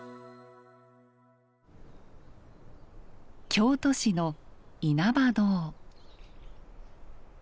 京都市の因幡堂。